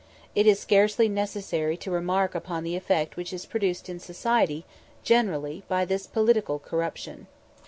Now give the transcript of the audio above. It is scarcely necessary to remark upon the effect which is produced in society generally by this political corruption.